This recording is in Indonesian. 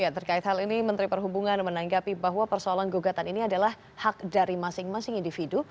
terkait hal ini menteri perhubungan menanggapi bahwa persoalan gugatan ini adalah hak dari masing masing individu